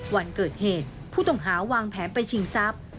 วันเกิดเหตุผู้ต้องหาวางแผนไปชิงทรัพย์